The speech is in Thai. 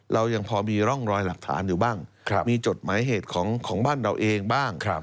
เรายังพอมีร่องรอยหลักฐานอยู่บ้างมีจดหมายเหตุของบ้านเราเองบ้าง